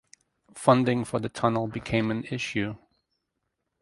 Funding for the tunnel became an issue.